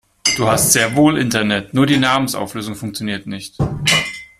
Du hast sehr wohl Internet, nur die Namensauflösung funktioniert nicht.